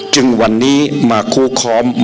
จึงวันนี้มาคู่คอมมาที่นี่